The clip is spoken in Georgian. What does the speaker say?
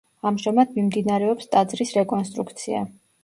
ამჟამად მიმდინარეობს ტაძრის რეკონსტრუქცია.